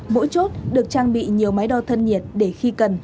mỗi chốt được trang bị nhiều máy đo thân nhiệt để khi cần